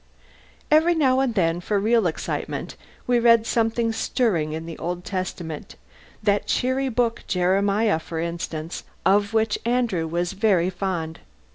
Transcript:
Every now and then, for real excitement, we read something stirring in the Old Testament that cheery book Jeremiah, for instance, of which Andrew was very fond.